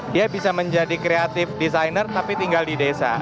dia bisa menjadi kreatif desainer tapi tinggal di desa